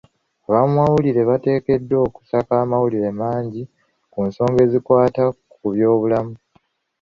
Ab'amawulire bateekeddwa okusaka amawulire mangi ku nsonga ezikwata ku byobulamu.